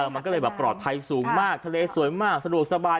มันก็เลยแบบปลอดภัยสูงมากทะเลสวยมากสะดวกสบาย